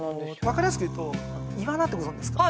分かりやすくいうとイワナってご存じですか？